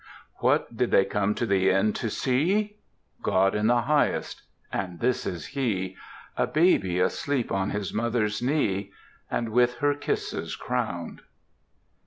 What did they come to the inn to see? God in the Highest, and this is He, A baby asleep on His mother's knee And with her kisses crowned.